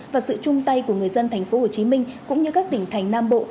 và sự chung tay của người dân thành phố hồ chí minh cũng như các tỉnh thành nam bộ